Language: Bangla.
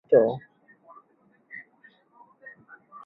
চার সন্তানের মধ্যে তার অবস্থান ছিল সর্বকনিষ্ঠ।